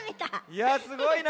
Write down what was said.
いやすごいな。